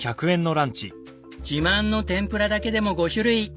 自慢の天ぷらだけでも５種類。